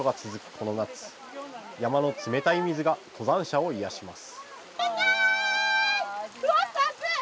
この夏、山の冷たい水が登山者を癒します。